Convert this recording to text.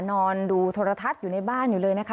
นอนดูโทรทัศน์อยู่ในบ้านอยู่เลยนะคะ